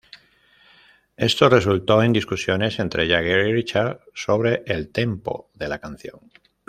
Esto resultó en discusiones entre Jagger y Richards sobre el tempo de la canción.